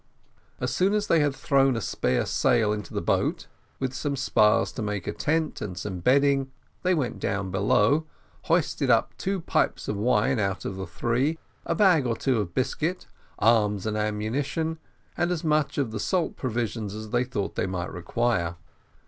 As soon as they had thrown a spare sail into the boat, with some spars to make a tent, and some bedding, they went down below, hoisted up two pipes of wine out of the three, a bag or two of biscuit, arms and ammunition, and as much of the salt provisions as they thought they might require.